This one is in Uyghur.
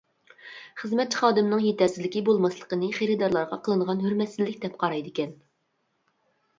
خىزمەتچى خادىمنىڭ يېتەرسىزلىكى بولماسلىقىنى خېرىدارلارغا قىلىنغان ھۆرمەتسىزلىك دەپ قارايدىكەن.